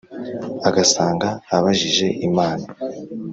agasanga abajije imana